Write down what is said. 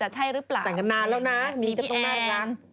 แต่งกันนานแล้วนะมีพี่แอง